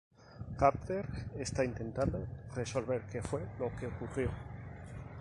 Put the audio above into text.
Carter están intentando resolver que fue lo que ocurrió.